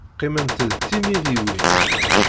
Qqiment d timidiwin.